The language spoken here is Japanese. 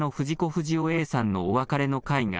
不二雄Ａさんのお別れの会が